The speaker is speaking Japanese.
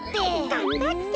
がんばって！